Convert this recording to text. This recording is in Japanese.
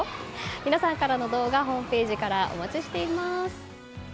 皆さんからの動画ホームページからお待ちしております。